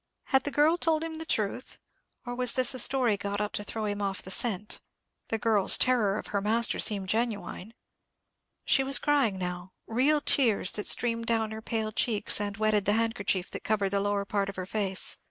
Had the girl told him the truth; or was this a story got up to throw him off the scent? The girl's terror of her master seemed genuine. She was crying now, real tears, that streamed down her pale cheeks, and wetted the handkerchief that covered the lower part of her face.